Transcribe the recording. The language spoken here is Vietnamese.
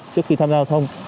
trước khi tham gia thông